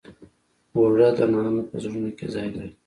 اوړه د نانو په زړونو کې ځای لري